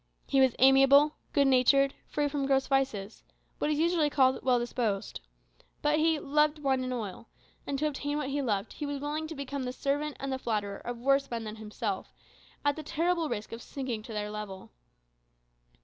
He was amiable, good natured, free from gross vices what is usually called "well disposed." But he "loved wine and oil," and to obtain what he loved he was willing to become the servant and the flatterer of worse men than himself, at the terrible risk of sinking to their level.